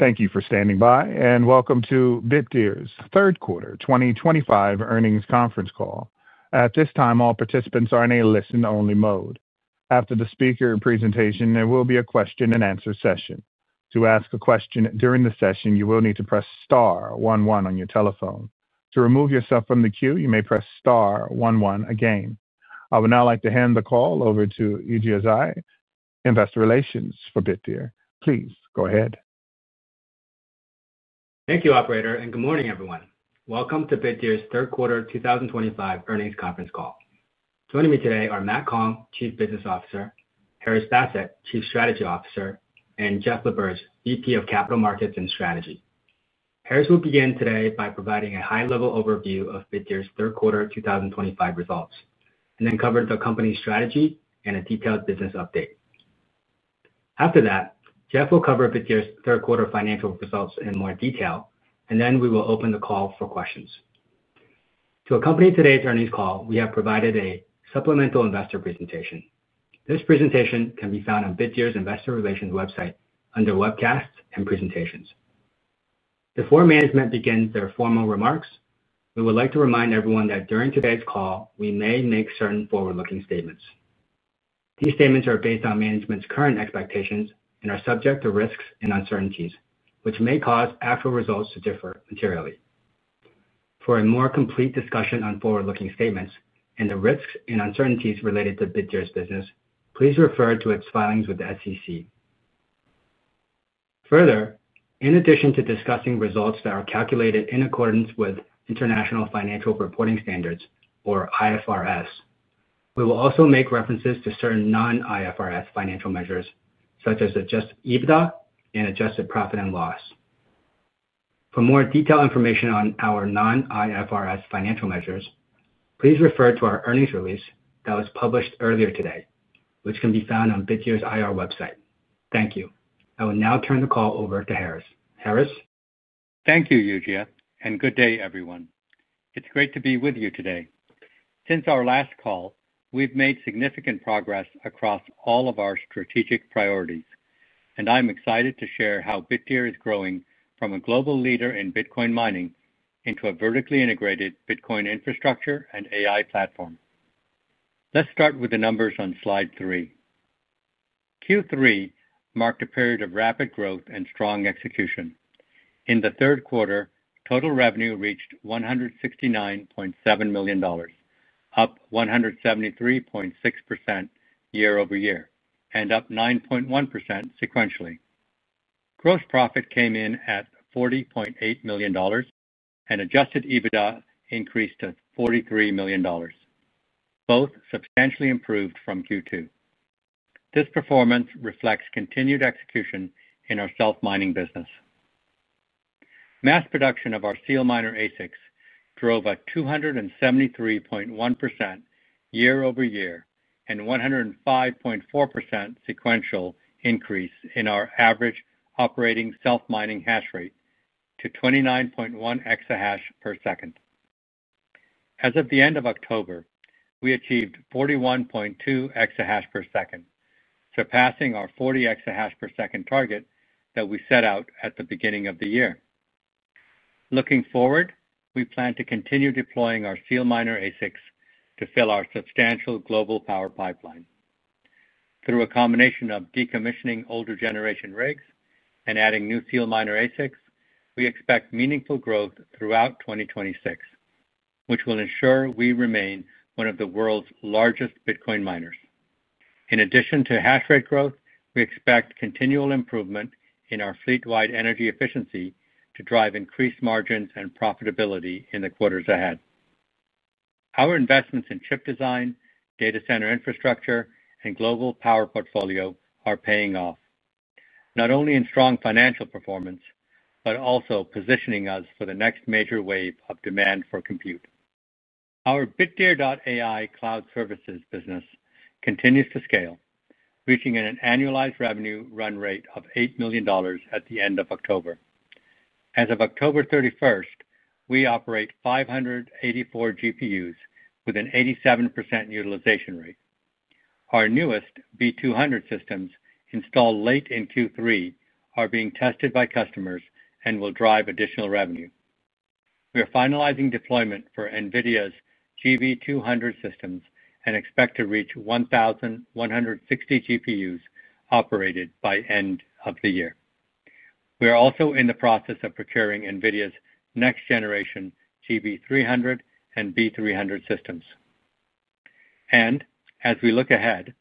Thank you for standing by, and welcome to Bitdeer's Third Quarter 2025 Earnings Conference Call. At this time, all participants are in a listen-only mode. After the speaker presentation, there will be a question-and-answer session. To ask a question during the session, you will need to press Star 11 on your telephone. To remove yourself from the queue, you may press Star 11 again. I would now like to hand the call over to Yujia Zhai, Investor Relations for Bitdeer. Please go ahead. Thank you, Operator, and good morning, everyone. Welcome to Bitdeer's Third Quarter 2025 Earnings Conference Call. Joining me today are Matt Kong, Chief Business Officer; Haris Basit, Chief Strategy Officer; and Jeff LaBerge, VP of Capital Markets and Strategy. Haris will begin today by providing a high-level overview of Bitdeer's Third Quarter 2025 results, and then cover the company's strategy and a detailed business update. After that, Jeff will cover Bitdeer's Third Quarter financial results in more detail, and then we will open the call for questions. To accompany today's earnings call, we have provided a supplemental investor presentation. This presentation can be found on Bitdeer's Investor Relations website under Webcasts and Presentations. Before management begins their formal remarks, we would like to remind everyone that during today's call, we may make certain forward-looking statements. These statements are based on management's current expectations and are subject to risks and uncertainties, which may cause actual results to differ materially. For a more complete discussion on forward-looking statements and the risks and uncertainties related to Bitdeer's business, please refer to its filings with the SEC. Further, in addition to discussing results that are calculated in accordance with International Financial Reporting Standards, or IFRS, we will also make references to certain non-IFRS financial measures, such as adjusted EBITDA and adjusted profit and loss. For more detailed information on our non-IFRS financial measures, please refer to our earnings release that was published earlier today, which can be found on Bitdeer's IR website. Thank you. I will now turn the call over to Haris. Haris? Thank you, Yujia, and good day, everyone. It's great to be with you today. Since our last call, we've made significant progress across all of our strategic priorities, and I'm excited to share how Bitdeer is growing from a global leader in Bitcoin mining into a vertically integrated Bitcoin infrastructure and AI platform. Let's start with the numbers on slide three. Q3 marked a period of rapid growth and strong execution. In the third quarter, total revenue reached $169.7 million, up 173.6% year-over-year and up 9.1% sequentially. Gross profit came in at $40.8 million, and adjusted EBITDA increased to $43 million, both substantially improved from Q2. This performance reflects continued execution in our self-mining business. Mass production of our Seal Miner ASICs drove a 273.1% year-over-year and 105.4% sequential increase in our average operating self-mining hash rate to 29.1 EH/s. As of the end of October, we achieved 41.2 EH/s, surpassing our 40 EH/s target that we set out at the beginning of the year. Looking forward, we plan to continue deploying our Seal Miner ASICs to fill our substantial global power pipeline. Through a combination of decommissioning older generation rigs and adding new Seal Miner ASICs, we expect meaningful growth throughout 2026, which will ensure we remain one of the world's largest Bitcoin miners. In addition to hash rate growth, we expect continual improvement in our fleet-wide energy efficiency to drive increased margins and profitability in the quarters ahead. Our investments in chip design, data center infrastructure, and global power portfolio are paying off, not only in strong financial performance but also positioning us for the next major wave of demand for compute. Our Bitdeer AI Cloud Services business continues to scale, reaching an annualized revenue run rate of $8 million at the end of October. As of October 31, we operate 584 GPUs with an 87% utilization rate. Our newest B200 systems, installed late in Q3, are being tested by customers and will drive additional revenue. We are finalizing deployment for NVIDIA's GB200 systems and expect to reach 1,160 GPUs operated by the end of the year. We are also in the process of procuring NVIDIA's next-generation GB300 and B300 systems. As we look ahead,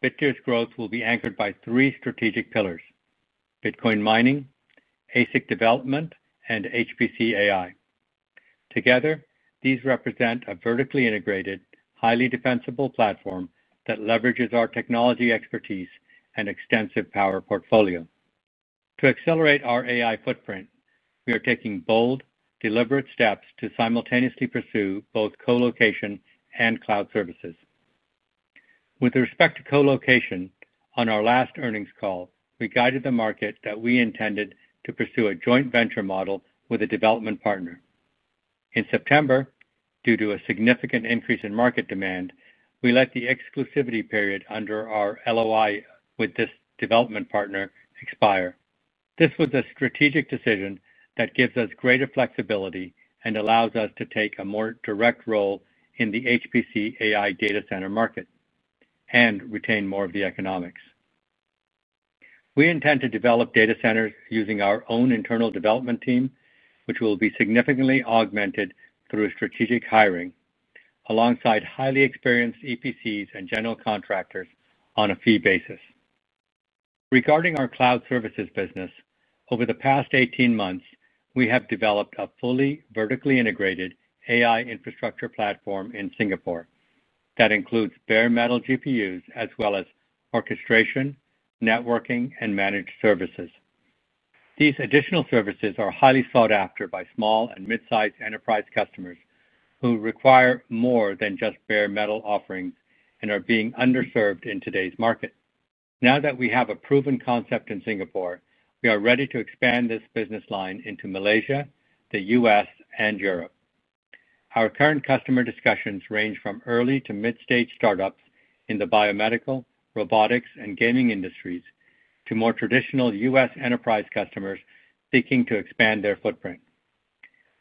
Bitdeer's growth will be anchored by three strategic pillars: Bitcoin mining, ASIC development, and HPC AI. Together, these represent a vertically integrated, highly defensible platform that leverages our technology expertise and extensive power portfolio. To accelerate our AI footprint, we are taking bold, deliberate steps to simultaneously pursue both colocation and cloud services. With respect to colocation, on our last earnings call, we guided the market that we intended to pursue a joint venture model with a development partner. In September, due to a significant increase in market demand, we let the exclusivity period under our LOI with this development partner expire. This was a strategic decision that gives us greater flexibility and allows us to take a more direct role in the HPC AI data center market and retain more of the economics. We intend to develop data centers using our own internal development team, which will be significantly augmented through strategic hiring alongside highly experienced EPCs and general contractors on a fee basis. Regarding our cloud services business, over the past 18 months, we have developed a fully vertically integrated AI infrastructure platform in Singapore that includes bare metal GPUs as well as orchestration, networking, and managed services. These additional services are highly sought after by small and mid-sized enterprise customers who require more than just bare metal offerings and are being underserved in today's market. Now that we have a proven concept in Singapore, we are ready to expand this business line into Malaysia, the U.S., and Europe. Our current customer discussions range from early to mid-stage startups in the biomedical, robotics, and gaming industries to more traditional U.S. enterprise customers seeking to expand their footprint.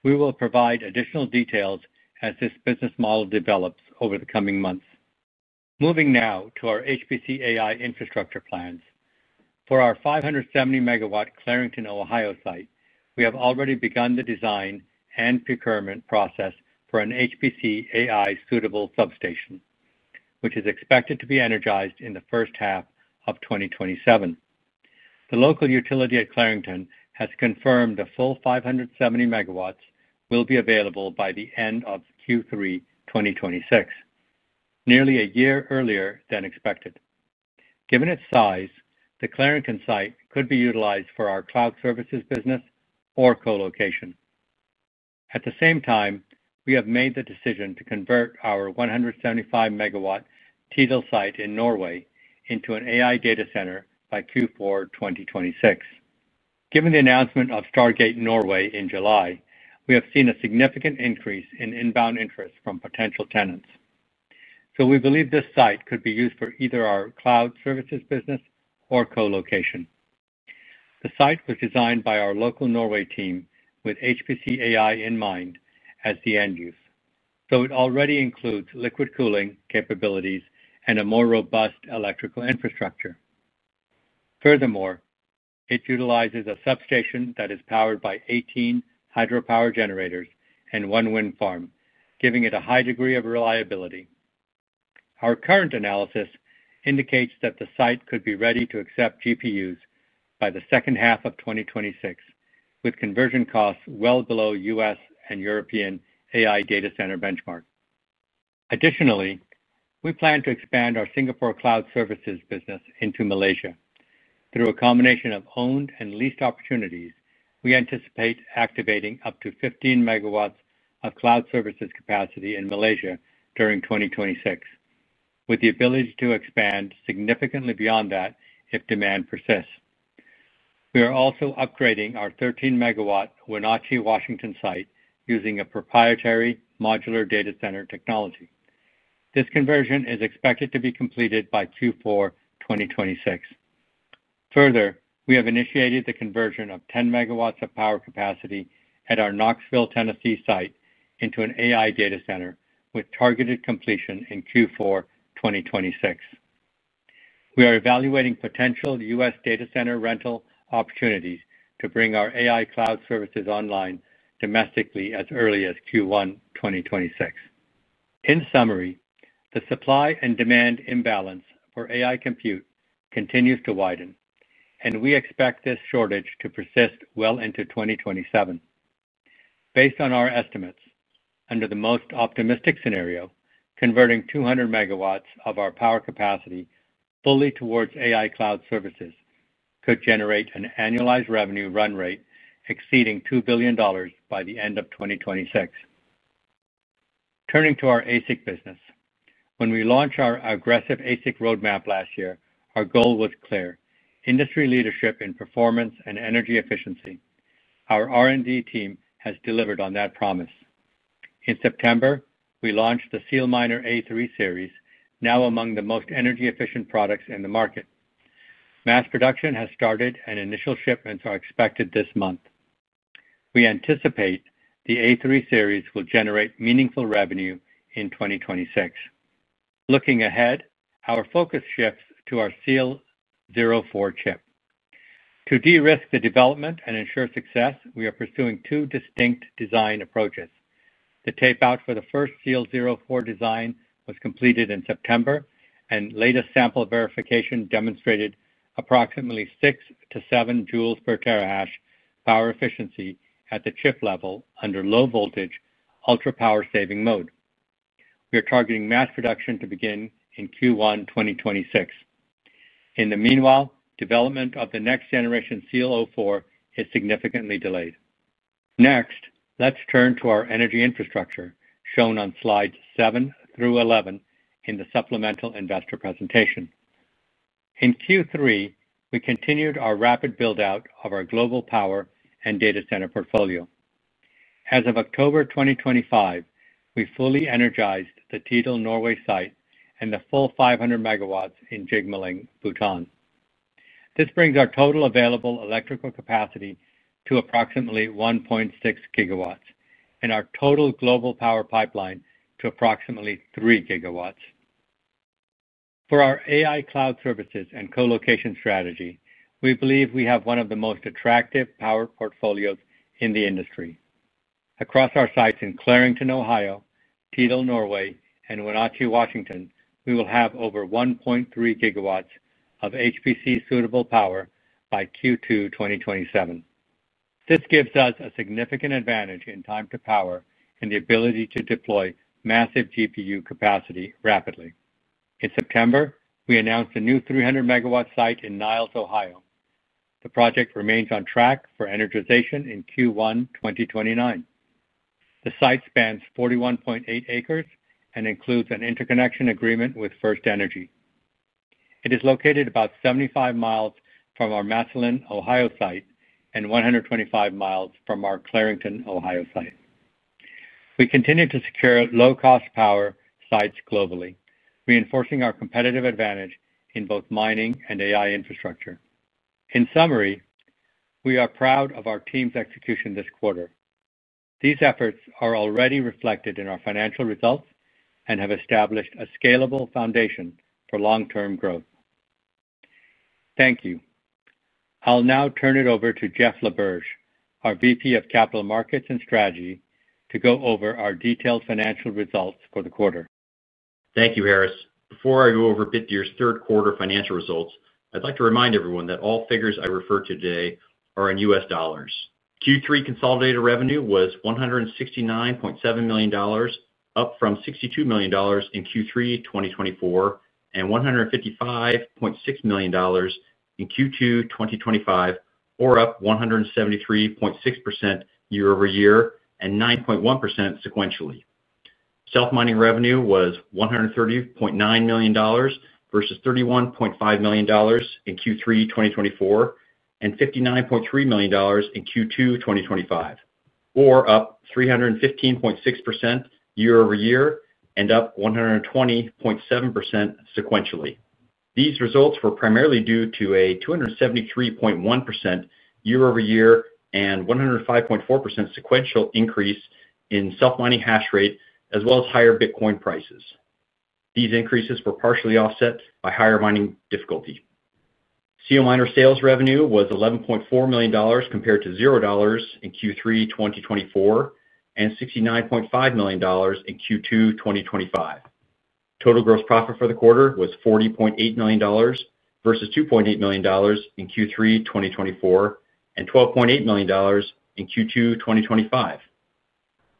We will provide additional details as this business model develops over the coming months. Moving now to our HPC AI infrastructure plans. For our 570-megawatt Clarington, Ohio site, we have already begun the design and procurement process for an HPC AI-suitable substation, which is expected to be energized in the first half of 2027. The local utility at Clarington has confirmed the full 570 MW will be available by the end of Q3 2026, nearly a year earlier than expected. Given its size, the Clarington site could be utilized for our cloud services business or colocation. At the same time, we have made the decision to convert our 175-megawatt TDEL site in Norway into an AI data center by Q4 2026. Given the announcement of Stargate Norway in July, we have seen a significant increase in inbound interest from potential tenants, so we believe this site could be used for either our cloud services business or colocation. The site was designed by our local Norway team with HPC AI in mind as the end use, so it already includes liquid cooling capabilities and a more robust electrical infrastructure. Furthermore, it utilizes a substation that is powered by 18 hydropower generators and one wind farm, giving it a high degree of reliability. Our current analysis indicates that the site could be ready to accept GPUs by the second half of 2026, with conversion costs well below U.S. and European AI data center benchmarks. Additionally, we plan to expand our Singapore cloud services business into Malaysia. Through a combination of owned and leased opportunities, we anticipate activating up to 15 MW of cloud services capacity in Malaysia during 2026, with the ability to expand significantly beyond that if demand persists. We are also upgrading our 13-megawatt Wenatchee, Washington site using a proprietary modular data center technology. This conversion is expected to be completed by Q4 2026. Further, we have initiated the conversion of 10 MW of power capacity at our Knoxville, Tennessee site into an AI data center with targeted completion in Q4 2026. We are evaluating potential U.S. data center rental opportunities to bring our AI cloud services online domestically as early as Q1 2026. In summary, the supply and demand imbalance for AI compute continues to widen, and we expect this shortage to persist well into 2027. Based on our estimates, under the most optimistic scenario, converting 200 MW of our power capacity fully towards AI cloud services could generate an annualized revenue run rate exceeding $2 billion by the end of 2026. Turning to our ASIC business, when we launched our aggressive ASIC roadmap last year, our goal was clear: industry leadership in performance and energy efficiency. Our R&D team has delivered on that promise. In September, we launched the Seal Miner A3 Series, now among the most energy-efficient products in the market. Mass production has started, and initial shipments are expected this month. We anticipate the A3 series will generate meaningful revenue in 2026. Looking ahead, our focus shifts to our Seal 04 chip. To de-risk the development and ensure success, we are pursuing two distinct design approaches. The tape-out for the first Seal 04 design was completed in September, and latest sample verification demonstrated approximately 6-7 joules per terahash power efficiency at the chip level under low-voltage ultra-power-saving mode. We are targeting mass production to begin in Q1 2026. In the meanwhile, development of the next-generation Seal 04 is significantly delayed. Next, let's turn to our energy infrastructure shown on slides 7-11 in the supplemental investor presentation. In Q3, we continued our rapid build-out of our global power and data center portfolio. As of October 2025, we fully energized the TDEL, Norway site and the full 500 MW in Jigmaling, Bhutan. This brings our total available electrical capacity to approximately 1.6 GW and our total global power pipeline to approximately 3 GW. For our AI cloud services and colocation strategy, we believe we have one of the most attractive power portfolios in the industry. Across our sites in Clarington, Ohio, TDEL, Norway, and Wenatchee, Washington, we will have over 1.3 GW of HPC-suitable power by Q2 2027. This gives us a significant advantage in time to power and the ability to deploy massive GPU capacity rapidly. In September, we announced a new 300-megawatt site in Niles, Ohio. The project remains on track for energization in Q1 2029. The site spans 41.8 acres and includes an interconnection agreement with FirstEnergy. It is located about 75 mi from our Massillon, Ohio site, and 125 mi from our Clarington, Ohio site. We continue to secure low-cost power sites globally, reinforcing our competitive advantage in both mining and AI infrastructure. In summary, we are proud of our team's execution this quarter. These efforts are already reflected in our financial results and have established a scalable foundation for long-term growth. Thank you. I'll now turn it over to Jeff LaBerge, our VP of Capital Markets and Strategy, to go over our detailed financial results for the quarter. Thank you, Haris. Before I go over Bitdeer's third-quarter financial results, I'd like to remind everyone that all figures I refer to today are in U.S. dollars. Q3 consolidated revenue was $169.7 million, up from $62 million in Q3 2024 and $155.6 million in Q2 2025, or up 173.6% year-over-year and 9.1% sequentially. Self-mining revenue was $130.9 million versus $31.5 million in Q3 2024 and $59.3 million in Q2 2025, or up 315.6% year-over-year and up 120.7% sequentially. These results were primarily due to a 273.1% year-over-year and 105.4% sequential increase in self-mining hash rate, as well as higher Bitcoin prices. These increases were partially offset by higher mining difficulty. Seal Miner sales revenue was $11.4 million compared to $0 in Q3 2024 and $69.5 million in Q2 2025. Total gross profit for the quarter was $40.8 million versus $2.8 million in Q3 2024 and $12.8 million in Q2 2025.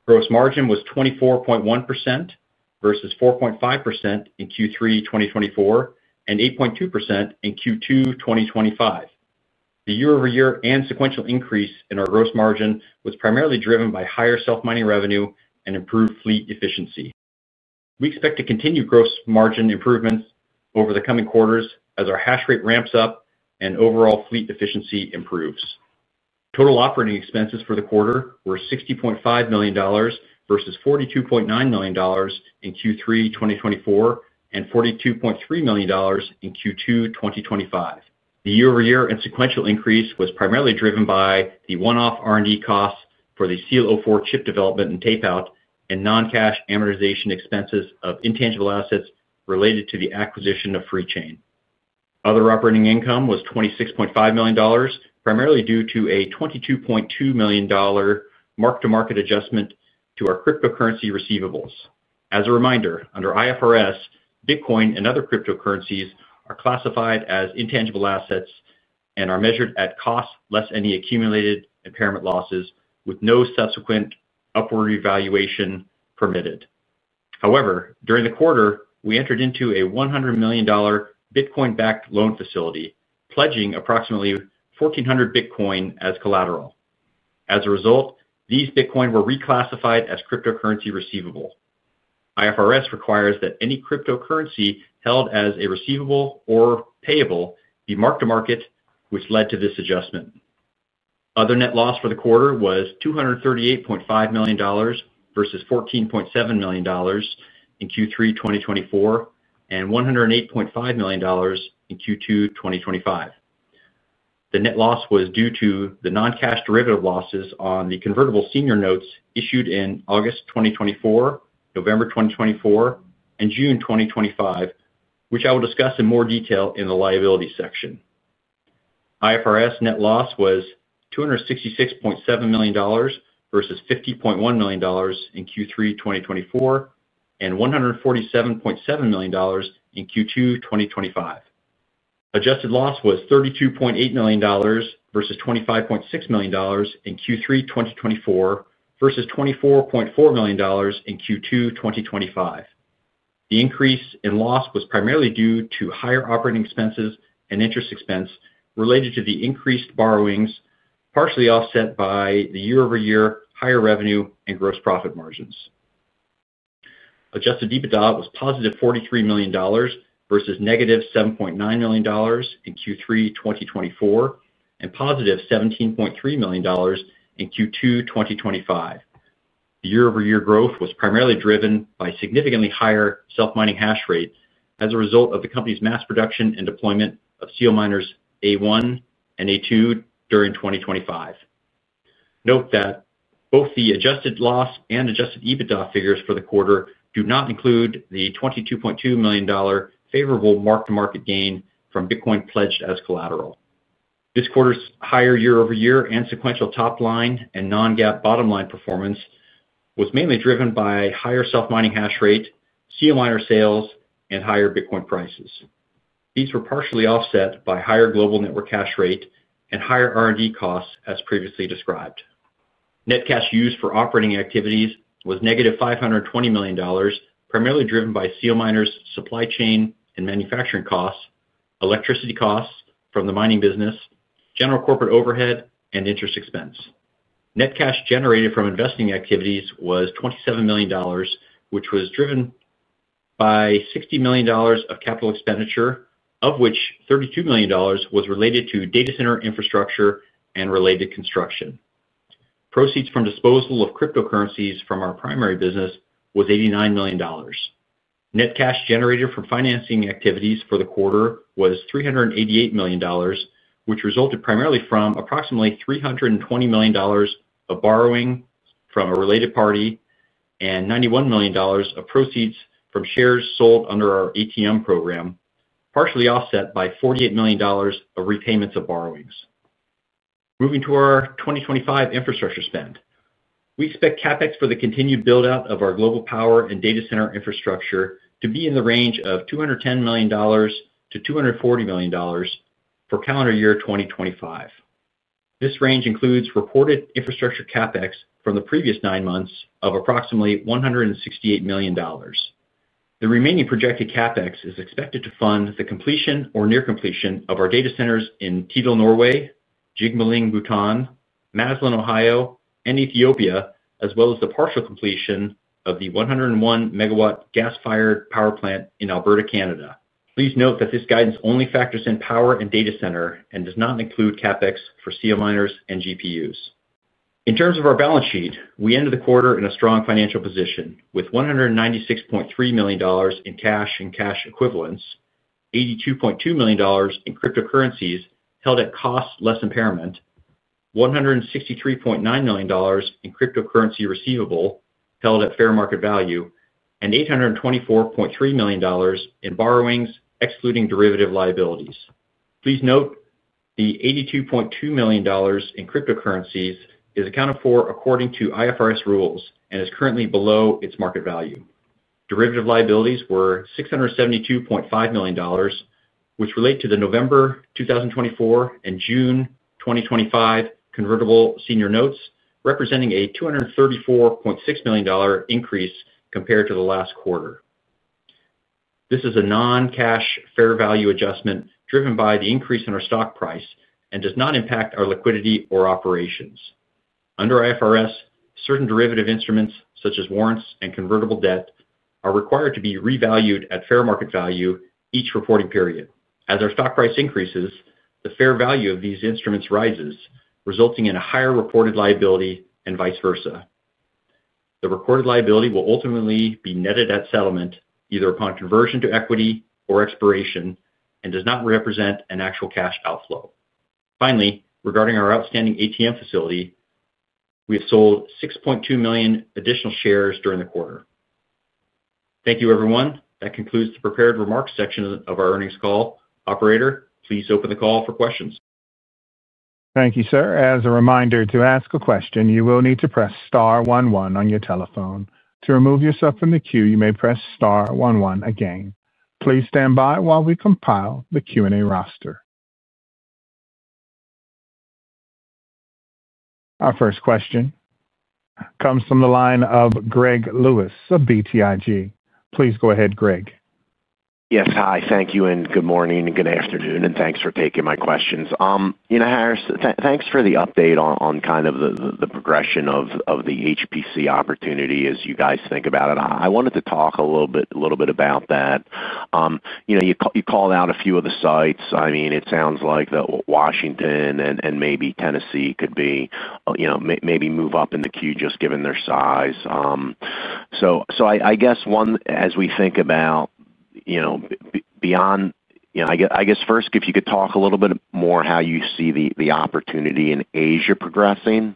Gross margin was 24.1% versus 4.5% in Q3 2024 and 8.2% in Q2 2025. The year-over-year and sequential increase in our gross margin was primarily driven by higher self-mining revenue and improved fleet efficiency. We expect to continue gross margin improvements over the coming quarters as our hash rate ramps up and overall fleet efficiency improves. Total operating expenses for the quarter were $60.5 million versus $42.9 million in Q3 2024 and $42.3 million in Q2 2025. The year-over-year and sequential increase was primarily driven by the one-off R&D costs for the Seal 04 chip development and tape-out and non-cash amortization expenses of intangible assets related to the acquisition of Freechain. Other operating income was $26.5 million, primarily due to a $22.2 million mark-to-market adjustment to our cryptocurrency receivables. As a reminder, under IFRS, Bitcoin and other cryptocurrencies are classified as intangible assets and are measured at cost less any accumulated impairment losses, with no subsequent upward revaluation permitted. However, during the quarter, we entered into a $100 million Bitcoin-backed loan facility, pledging approximately 1,400 Bitcoin as collateral. As a result, these Bitcoin were reclassified as cryptocurrency receivable. IFRS requires that any cryptocurrency held as a receivable or payable be mark-to-market, which led to this adjustment. Other net loss for the quarter was $238.5 million versus $14.7 million in Q3 2024 and $108.5 million in Q2 2025. The net loss was due to the non-cash derivative losses on the convertible senior notes issued in August 2024, November 2024, and June 2025, which I will discuss in more detail in the liability section. IFRS net loss was $266.7 million versus $50.1 million in Q3 2024 and $147.7 million in Q2 2025. Adjusted loss was $32.8 million versus $25.6 million in Q3 2024 versus $24.4 million in Q2 2025. The increase in loss was primarily due to higher operating expenses and interest expense related to the increased borrowings, partially offset by the year-over-year higher revenue and gross profit margins. Adjusted EBITDA was positive $43 million versus negative $7.9 million in Q3 2024 and positive $17.3 million in Q2 2025. The year-over-year growth was primarily driven by significantly higher self-mining hash rate as a result of the company's mass production and deployment of Seal Miner A1 and A2 during 2025. Note that both the adjusted loss and adjusted EBITDA figures for the quarter do not include the $22.2 million favorable mark-to-market gain from Bitcoin pledged as collateral. This quarter's higher year-over-year and sequential top-line and non-GAAP bottom-line performance was mainly driven by higher self-mining hash rate, Seal Miner sales, and higher Bitcoin prices. These were partially offset by higher global network hash rate and higher R&D costs, as previously described. Net cash used for operating activities was negative $520 million, primarily driven by Seal Miner's supply chain and manufacturing costs, electricity costs from the mining business, general corporate overhead, and interest expense. Net cash generated from investing activities was $27 million, which was driven by $60 million of capital expenditure, of which $32 million was related to data center infrastructure and related construction. Proceeds from disposal of cryptocurrencies from our primary business was $89 million. Net cash generated from financing activities for the quarter was $388 million, which resulted primarily from approximately $320 million of borrowing from a related party and $91 million of proceeds from shares sold under our ATM program, partially offset by $48 million of repayments of borrowings. Moving to our 2025 infrastructure spend, we expect CapEx for the continued build-out of our global power and data center infrastructure to be in the range of $210 million-$240 million for calendar year 2025. This range includes reported infrastructure CapEx from the previous nine months of approximately $168 million. The remaining projected CapEx is expected to fund the completion or near completion of our data centers in TDEL, Norway, Jigmaling, Bhutan, Massillon, Ohio, and Ethiopia, as well as the partial completion of the 101-megawatt gas-fired power plant in Alberta, Canada. Please note that this guidance only factors in power and data center and does not include CapEx for Seal Miners and GPUs. In terms of our balance sheet, we ended the quarter in a strong financial position with $196.3 million in cash and cash equivalents, $82.2 million in cryptocurrencies held at cost less impairment, $163.9 million in cryptocurrency receivable held at fair market value, and $824.3 million in borrowings excluding derivative liabilities. Please note the $82.2 million in cryptocurrencies is accounted for according to IFRS rules and is currently below its market value. Derivative liabilities were $672.5 million, which relate to the November 2024 and June 2025 convertible senior notes, representing a $234.6 million increase compared to the last quarter. This is a non-cash fair value adjustment driven by the increase in our stock price and does not impact our liquidity or operations. Under IFRS, certain derivative instruments, such as warrants and convertible debt, are required to be revalued at fair market value each reporting period. As our stock price increases, the fair value of these instruments rises, resulting in a higher reported liability and vice versa. The reported liability will ultimately be netted at settlement, either upon conversion to equity or expiration, and does not represent an actual cash outflow. Finally, regarding our outstanding ATM facility, we have sold 6.2 million additional shares during the quarter. Thank you, everyone. That concludes the prepared remarks section of our earnings call. Operator, please open the call for questions. Thank you, sir. As a reminder to ask a question, you will need to press star 11 on your telephone. To remove yourself from the queue, you may press star 11 again. Please stand by while we compile the Q&A roster. Our first question comes from the line of Greg Lewis of BTIG. Please go ahead, Greg. Yes, hi. Thank you and good morning and good afternoon, and thanks for taking my questions. You know, Haris, thanks for the update on kind of the progression of the HPC opportunity as you guys think about it. I wanted to talk a little bit about that. You called out a few of the sites. I mean, it sounds like Washington and maybe Tennessee could maybe move up in the queue just given their size. I guess, as we think about beyond, I guess, first, if you could talk a little bit more how you see the opportunity in Asia progressing,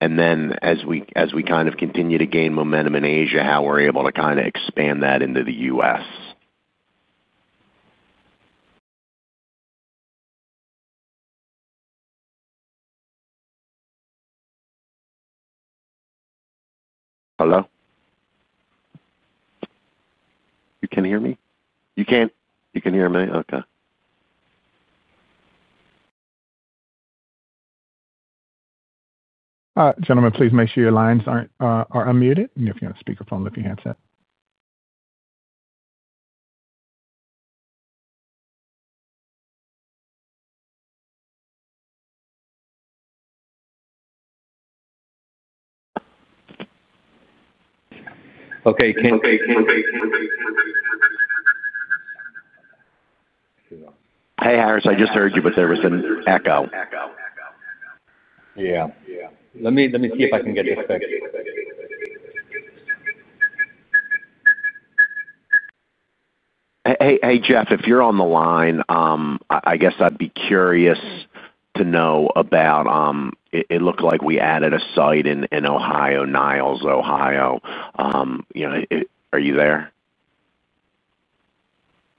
and then as we kind of continue to gain momentum in Asia, how we're able to kind of expand that into the U.S. Hello? You can hear me? You can't? You can hear me? Okay. Gentlemen, please make sure your lines are unmuted and if you're on speakerphone, lift your hands up. Okay. Hey, Haris, I just heard you, but there was an echo. Yeah. Let me see if I can get this fixed. Hey, Jeff, if you're on the line, I guess I'd be curious to know about it looked like we added a site in Ohio, Niles, Ohio. Are you there?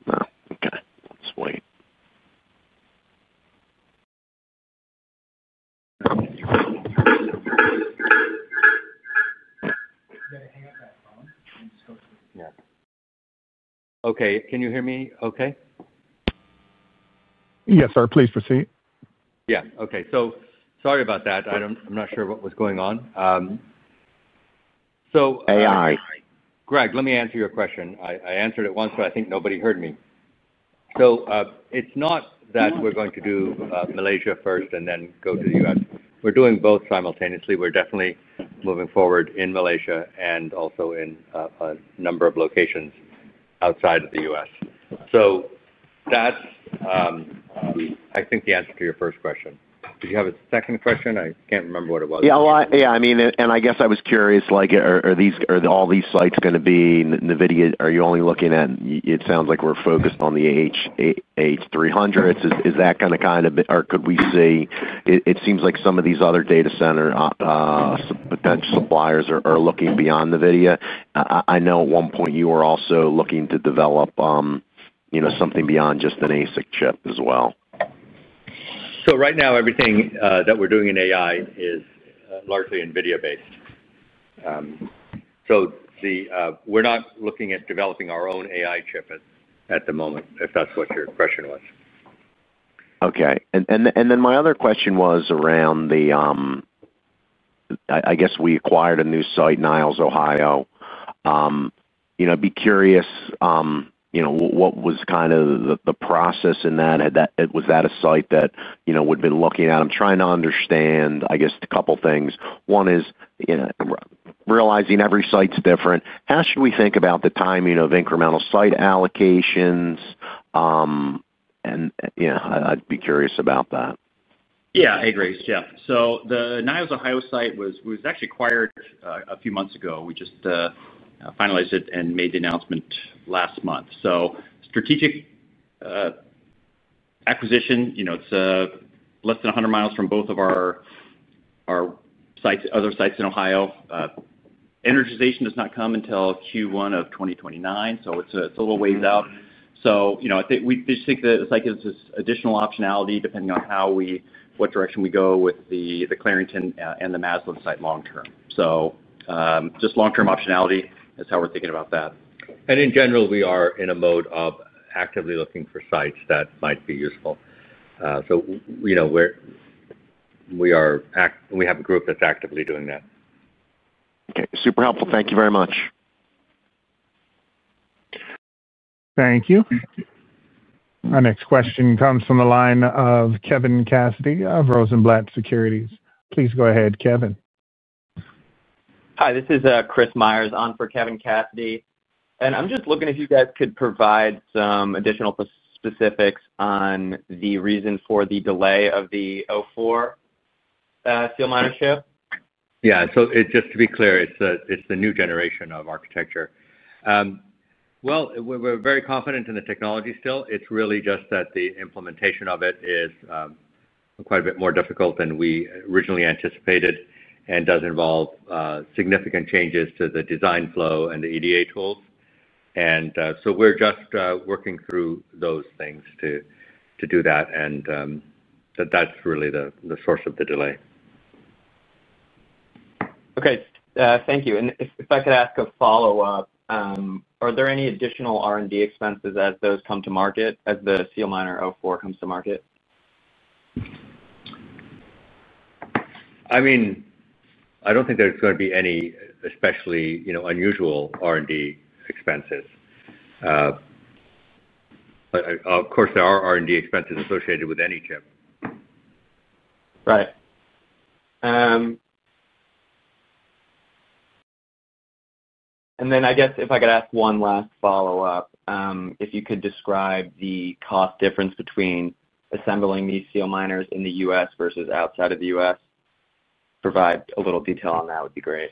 No. Okay. Let's wait. Okay. Can you hear me okay? Yes, sir. Please proceed. Yeah. Okay. So sorry about that. I'm not sure what was going on. AI. Greg, let me answer your question. I answered it once, but I think nobody heard me. It's not that we're going to do Malaysia first and then go to the U.S. We're doing both simultaneously. We're definitely moving forward in Malaysia and also in a number of locations outside of the U.S. So that's, I think, the answer to your first question. Did you have a second question? I can't remember what it was. Yeah. Yeah. I mean, and I guess I was curious, are all these sites going to be NVIDIA? Are you only looking at, it sounds like we're focused on the H300s. Is that going to kind of, or could we see, it seems like some of these other data center potential suppliers are looking beyond NVIDIA. I know at one point you were also looking to develop something beyond just an ASIC chip as well. Right now, everything that we're doing in AI is largely NVIDIA-based. We're not looking at developing our own AI chip at the moment, if that's what your question was. Okay. My other question was around the, I guess, we acquired a new site, Niles, Ohio. I'd be curious, what was kind of the process in that? Was that a site that would have been looking at? I'm trying to understand, I guess, a couple of things. One is realizing every site's different. How should we think about the timing of incremental site allocations? I'd be curious about that. Yeah. I agree. Yeah. The Niles, Ohio site was actually acquired a few months ago. We just finalized it and made the announcement last month. Strategic acquisition, it's less than 100 mi from both of our other sites in Ohio. Energization does not come until Q1 2029, so it's a little ways out. We just think the site gives us additional optionality depending on what direction we go with the Clarington and the Massillon site long-term. Just long-term optionality is how we're thinking about that. In general, we are in a mode of actively looking for sites that might be useful. We have a group that's actively doing that. Okay. Super helpful. Thank you very much. Thank you. Our next question comes from the line of Kevin Cassidy of Rosenblatt Securities. Please go ahead, Kevin. Hi. This is Chris Myers on for Kevin Cassidy. I'm just looking if you guys could provide some additional specifics on the reason for the delay of the 04 Seal Miner chip. Yeah. Just to be clear, it's the new generation of architecture. We are very confident in the technology still. It's really just that the implementation of it is quite a bit more difficult than we originally anticipated and does involve significant changes to the design flow and the EDA tools. And so we're just working through those things to do that, and that's really the source of the delay. Okay. Thank you. And if I could ask a follow-up, are there any additional R&D expenses as those come to market, as the Seal Miner A4 comes to market? I mean, I don't think there's going to be any especially unusual R&D expenses. Of course, there are R&D expenses associated with any chip. Right. And then I guess if I could ask one last follow-up, if you could describe the cost difference between assembling these Seal Miners in the U.S. versus outside of the U.S., provide a little detail on that would be great.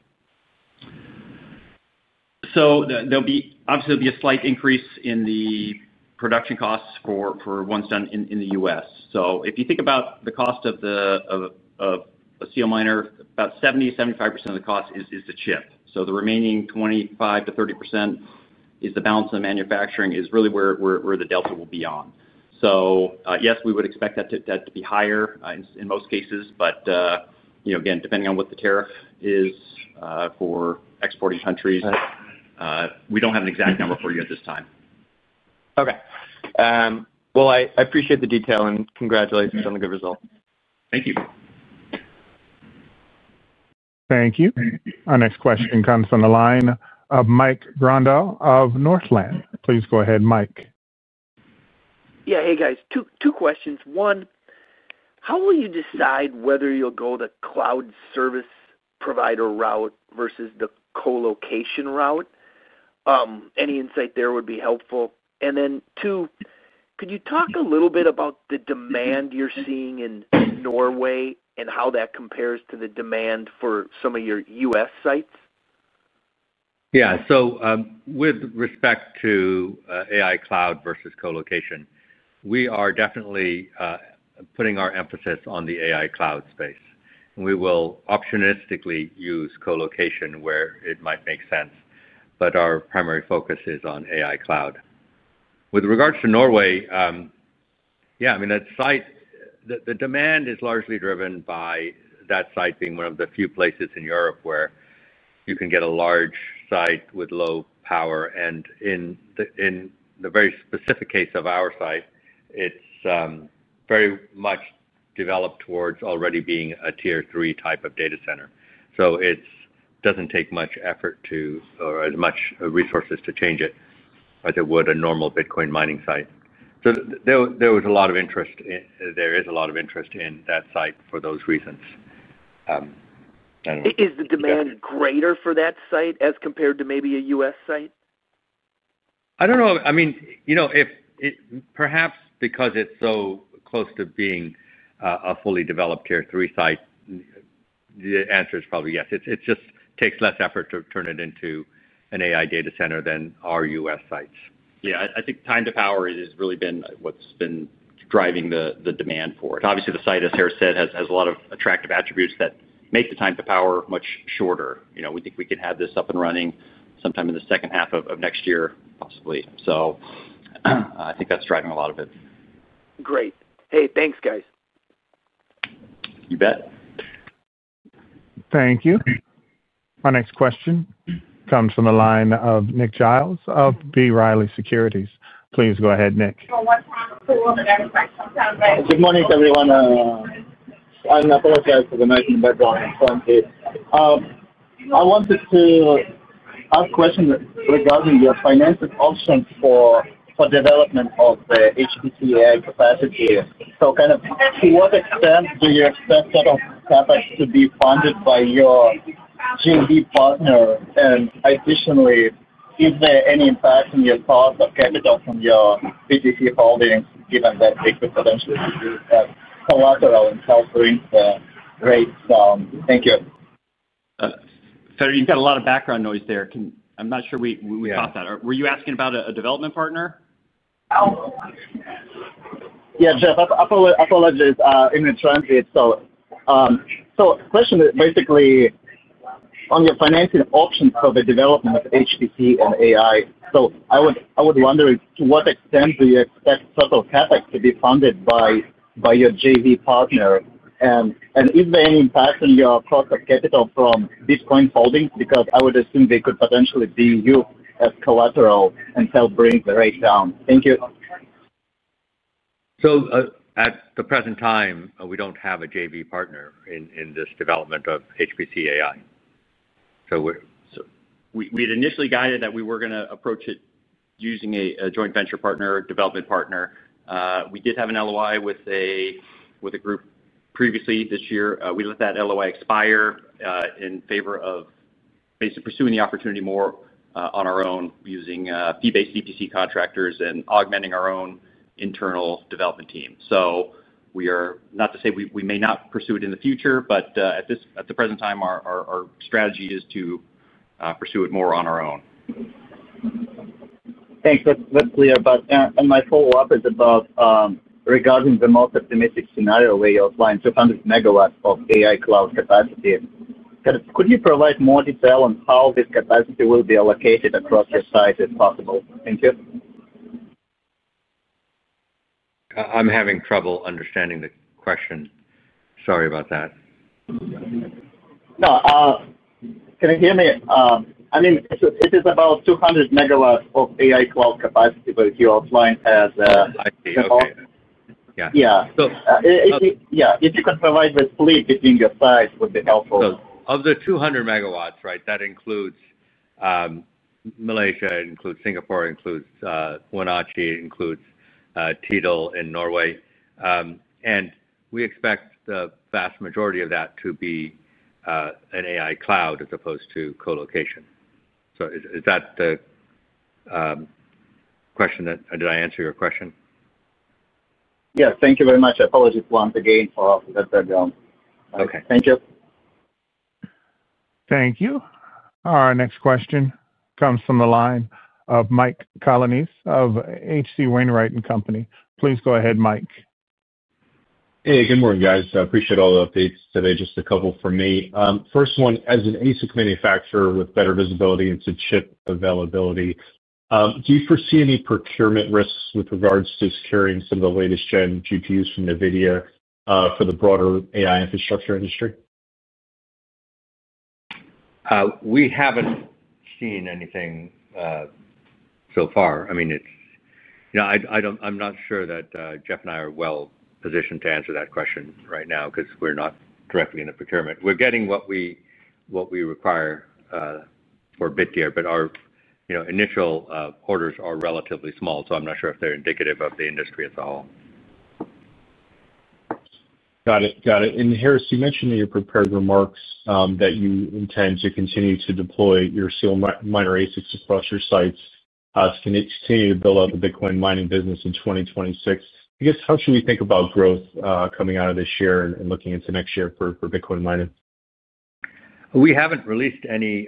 Obviously, there'll be a slight increase in the production costs for ones done in the U.S. If you think about the cost of a Seal Miner, about 70%-75% of the cost is the chip. The remaining 25%-30% is the balance of the manufacturing, which is really where the delta will be on. Yes, we would expect that to be higher in most cases, but again, depending on what the tariff is for exporting countries, we do not have an exact number for you at this time. I appreciate the detail and congratulations on the good result. Thank you. Thank you. Our next question comes from the line of Mike Grondahl of Northland. Please go ahead, Mike. Yeah. Hey, guys. Two questions. One, how will you decide whether you'll go the cloud service provider route versus the co-location route? Any insight there would be helpful. Two, could you talk a little bit about the demand you're seeing in Norway and how that compares to the demand for some of your U.S. sites? Yeah. With respect to AI cloud versus co-location, we are definitely putting our emphasis on the AI cloud space. We will opportunistically use co-location where it might make sense, but our primary focus is on AI cloud. With regards to Norway, yeah, I mean, the demand is largely driven by that site being one of the few places in Europe where you can get a large site with low power. In the very specific case of our site, it's very much developed towards already being a tier three type of data center. It does not take much effort or as much resources to change it as it would a normal Bitcoin mining site. There was a lot of interest. There is a lot of interest in that site for those reasons. Is the demand greater for that site as compared to maybe a U.S. site? I don't know. I mean, perhaps because it's so close to being a fully developed tier three site, the answer is probably yes. It just takes less effort to turn it into an AI data center than our U.S. sites. Yeah. I think time to power has really been what's been driving the demand for it. Obviously, the site, as Haris said, has a lot of attractive attributes that make the time to power much shorter. We think we can have this up and running sometime in the second half of next year, possibly. I think that's driving a lot of it. Great. Hey, thanks, guys. You bet. Thank you. Our next question comes from the line of Nick Giles of B. Riley Securities. Please go ahead, Nick. Good morning, everyone. I apologize for the noise in the background. I wanted to ask a question regarding your financial options for development of the HPC AI capacity. To what extent do you expect that to be funded by your G&D partner? Additionally, is there any impact on your cost of capital from your BTC holdings, given that they could potentially be used as collateral and help bring the rates down? Thank you. Sorry, you have a lot of background noise there. I am not sure we caught that. Were you asking about a development partner? Yeah, Jeff, apologies. I am in transit. The question is basically on your financing options for the development of HPC and AI. I would wonder, to what extent do you expect total CapEx to be funded by your JV partner? Is there any impact on your cost of capital from Bitcoin holdings? Because I would assume they could potentially be used as collateral and help bring the rate down. Thank you. At the present time, we do not have a JV partner in this development of HPC AI. We had initially guided that we were going to approach it using a joint venture partner, development partner. We did have an LOI with a group previously this year. We let that LOI expire in favor of basically pursuing the opportunity more on our own using fee-based EPC contractors and augmenting our own internal development team. Not to say we may not pursue it in the future, but at the present time, our strategy is to pursue it more on our own. Thanks. That's clear. My follow-up is about regarding the most optimistic scenario where you outline 200 MW of AI cloud capacity. Could you provide more detail on how this capacity will be allocated across your site if possible? Thank you. I'm having trouble understanding the question. Sorry about that. No. Can you hear me? I mean, it is about 200 MW of AI cloud capacity that you outline as a—I see. Okay. Yeah. Yeah. If you can provide the split between your sites, it would be helpful. Of the 200 MW, right, that includes Malaysia, includes Singapore, includes Wenatchee, includes TDEL in Norway. We expect the vast majority of that to be in AI cloud as opposed to co-location. Is that the question? Did I answer your question? Yes. Thank you very much. I apologize once again for the background. Thank you. Thank you. Our next question comes from the line of Mike Colonnese of HC Wainwright & Company. Please go ahead, Mike. Hey, good morning, guys. I appreciate all the updates today. Just a couple for me. First one, as an ASIC manufacturer with better visibility into chip availability, do you foresee any procurement risks with regards to securing some of the latest-gen GPUs from NVIDIA for the broader AI infrastructure industry? We have not seen anything so far. I mean, I am not sure that Jeff and I are well positioned to answer that question right now because we are not directly in the procurement. We're getting what we require for Bitdeer, but our initial orders are relatively small, so I'm not sure if they're indicative of the industry at all. Got it. Got it. And Haris, you mentioned in your prepared remarks that you intend to continue to deploy your Seal Miner ASICs across your sites as they continue to build out the Bitcoin mining business in 2026. I guess, how should we think about growth coming out of this year and looking into next year for Bitcoin mining? We haven't released any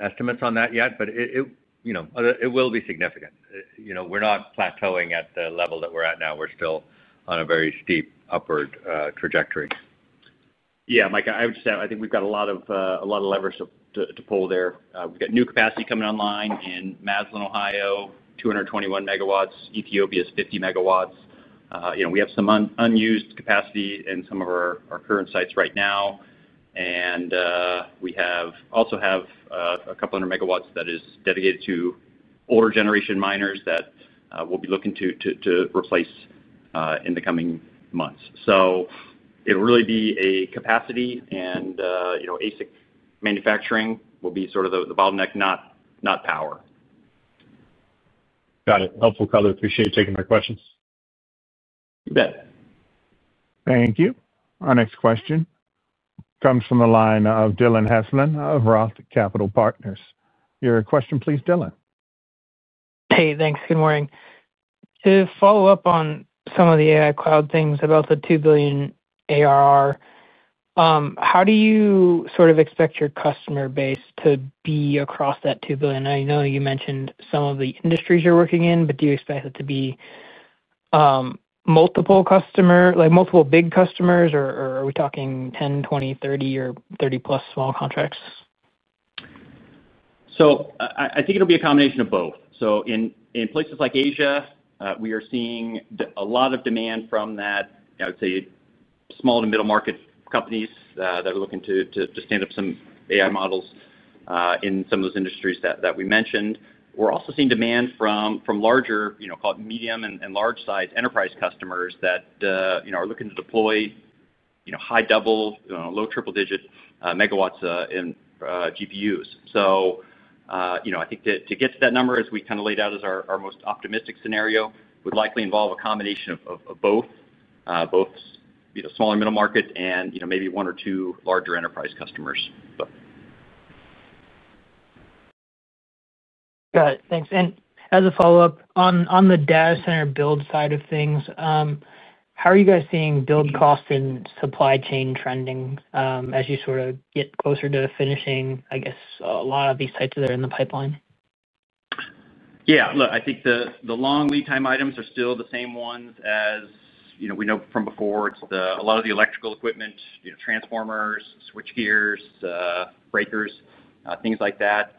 estimates on that yet, but it will be significant. We're not plateauing at the level that we're at now. We're still on a very steep upward trajectory. Yeah. Mike, I would just add, I think we've got a lot of levers to pull there. We've got new capacity coming online in Massillon, Ohio, 221 MW. Ethiopia is 50 MW. We have some unused capacity in some of our current sites right now. We also have a couple of hundred megawatts that is dedicated to older generation miners that we'll be looking to replace in the coming months. It will really be a capacity, and ASIC manufacturing will be sort of the bottleneck, not power. Got it. Helpful, Colin. Appreciate you taking my questions. You bet. Thank you. Our next question comes from the line of Dylan Heslin of Roth Capital Partners. Your question, please, Dylan. Hey, thanks. Good morning. To follow up on some of the AI cloud things about the $2 billion ARR, how do you sort of expect your customer base to be across that $2 billion? I know you mentioned some of the industries you're working in, but do you expect it to be multiple big customers, or are we talking 10, 20, 30, or 30-plus small contracts? I think it'll be a combination of both. In places like Asia, we are seeing a lot of demand from that. I would say small to middle market companies that are looking to stand up some AI models in some of those industries that we mentioned. We're also seeing demand from larger, call it medium and large-sized enterprise customers that are looking to deploy high double, low triple-digit megawatts in GPUs. I think to get to that number, as we kind of laid out as our most optimistic scenario, would likely involve a combination of both, both small and middle market and maybe one or two larger enterprise customers. Got it. Thanks. As a follow-up, on the data center build side of things, how are you guys seeing build costs and supply chain trending as you sort of get closer to finishing, I guess, a lot of these sites that are in the pipeline? Yeah. Look, I think the long lead time items are still the same ones as we know from before. It's a lot of the electrical equipment, transformers, switchgears, breakers, things like that.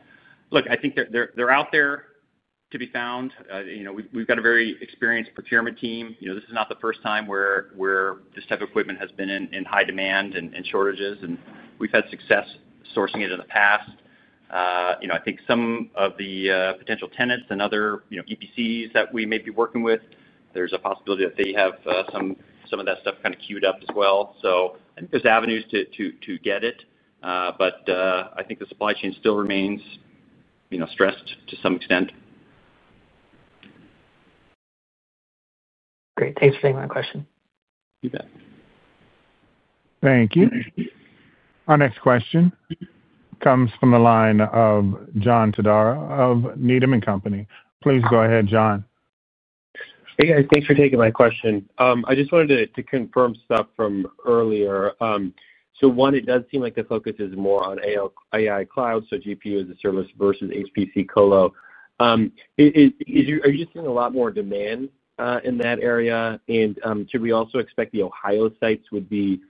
Look, I think they're out there to be found. We've got a very experienced procurement team. This is not the first time where this type of equipment has been in high demand and shortages, and we've had success sourcing it in the past. I think some of the potential tenants and other EPCs that we may be working with, there's a possibility that they have some of that stuff kind of queued up as well. I think there's avenues to get it, but I think the supply chain still remains stressed to some extent. Great. Thanks for taking my question. You bet. Thank you. Our next question comes from the line of John Todaro of Needyman Company. Please go ahead, John. Hey, guys. Thanks for taking my question. I just wanted to confirm stuff from earlier. One, it does seem like the focus is more on AI cloud, so GPU as a service versus HPC colo. Are you just seeing a lot more demand in that area? Should we also expect the Ohio sites would be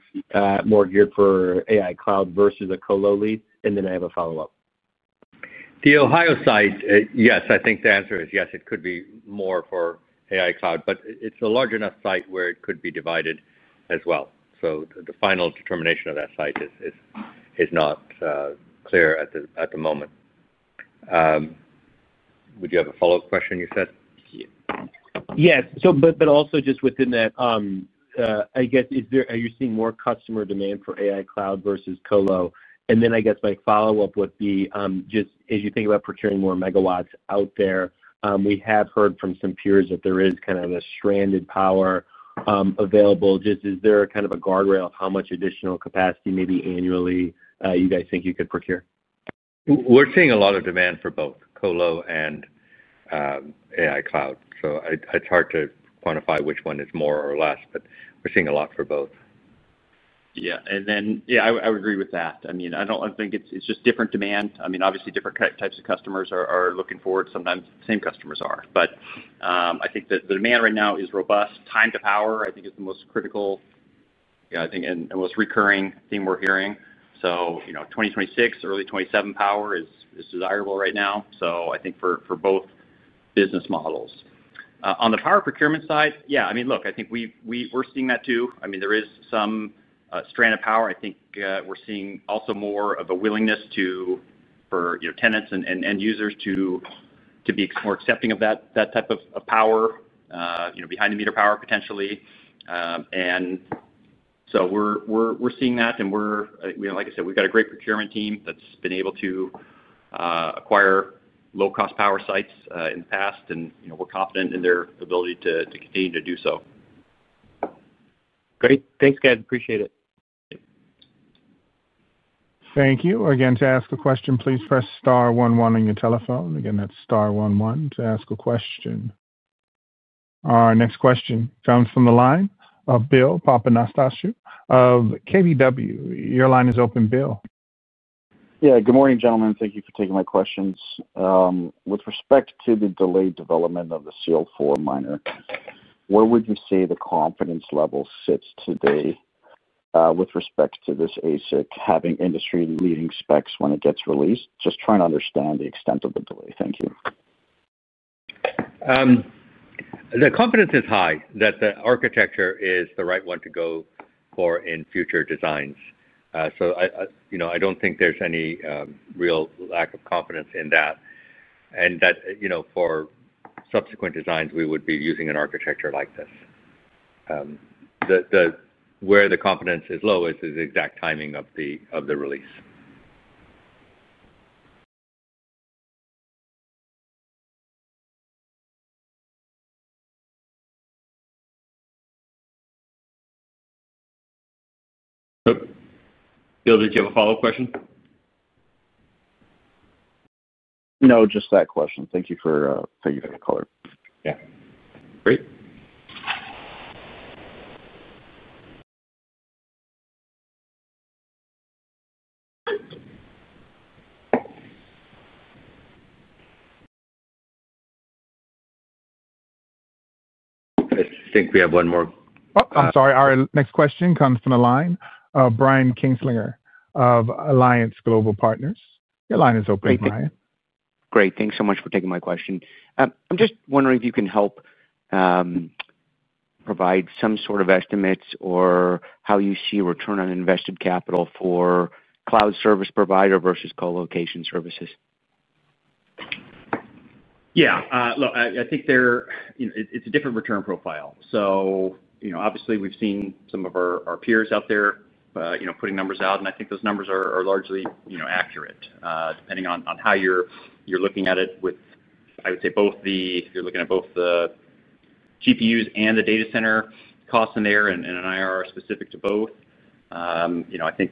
more geared for AI cloud versus a colo lead? I have a follow-up. The Ohio site, yes, I think the answer is yes, it could be more for AI cloud, but it's a large enough site where it could be divided as well. The final determination of that site is not clear at the moment. Would you have a follow-up question, you said? Yes. Also, just within that, I guess, are you seeing more customer demand for AI cloud versus colo? My follow-up would be, just as you think about procuring more megawatts out there, we have heard from some peers that there is kind of a stranded power available. Is there kind of a guardrail of how much additional capacity maybe annually you guys think you could procure? We're seeing a lot of demand for both colo and AI cloud. It's hard to quantify which one is more or less, but we're seeing a lot for both. Yeah. I would agree with that. I don't think it's just different demand. I mean, obviously, different types of customers are looking forward. Sometimes the same customers are. I think the demand right now is robust. Time to power, I think, is the most critical and most recurring thing we're hearing. 2026, early 2027 power is desirable right now. I think for both business models. On the power procurement side, yeah. I mean, look, I think we're seeing that too. There is some strand of power. I think we're seeing also more of a willingness for tenants and end users to be more accepting of that type of power, behind-the-meter power potentially. We're seeing that. Like I said, we've got a great procurement team that's been able to acquire low-cost power sites in the past, and we're confident in their ability to continue to do so. Great. Thanks, guys. Appreciate it. Thank you. Again, to ask a question, please press star 11 on your telephone. Again, that's star 11 to ask a question. Our next question comes from the line of Bill Papanastasiou of KBW. Your line is open, Bill. Yeah. Good morning, gentlemen. Thank you for taking my questions. With respect to the delayed development of the Seal 04 Miner, where would you say the confidence level sits today with respect to this ASIC having industry-leading specs when it gets released? Just trying to understand the extent of the delay. Thank you. The confidence is high that the architecture is the right one to go for in future designs. I do not think there is any real lack of confidence in that and that for subsequent designs, we would be using an architecture like this. Where the confidence is low is the exact timing of the release. Bill, did you have a follow-up question? No, just that question. Thank you for taking the call. Yeah. Great. I think we have one more. I'm sorry. Our next question comes from the line of Brian Kinstlinger of Alliance Global Partners. Your line is open, Brian. Great. Thanks so much for taking my question. I'm just wondering if you can help provide some sort of estimates or how you see return on invested capital for cloud service provider versus co-location services. Yeah. Look, I think it's a different return profile. Obviously, we've seen some of our peers out there putting numbers out, and I think those numbers are largely accurate depending on how you're looking at it with, I would say, both the if you're looking at both the GPUs and the data center costs in there and an IRR specific to both, I think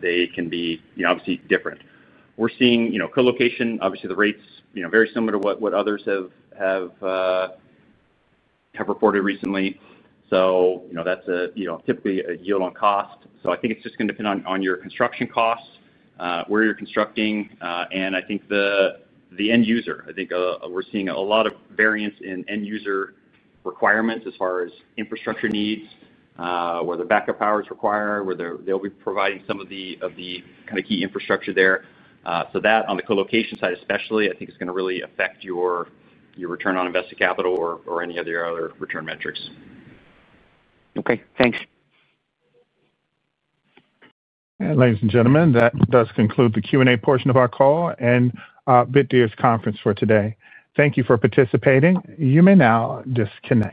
they can be obviously different. We're seeing co-location, obviously, the rates very similar to what others have reported recently. That's typically a yield on cost. I think it's just going to depend on your construction costs, where you're constructing, and I think the end user. I think we're seeing a lot of variance in end user requirements as far as infrastructure needs, where the backup power is required, where they'll be providing some of the kind of key infrastructure there. That, on the co-location side especially, I think is going to really affect your return on invested capital or any of the other return metrics. Okay. Thanks. Ladies and gentlemen, that does conclude the Q&A portion of our call and Bitdeer's conference for today. Thank you for participating. You may now disconnect.